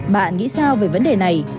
bạn nghĩ sao về vấn đề này